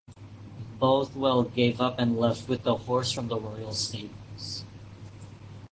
Bothwell gave up and left with the horses from the royal stables.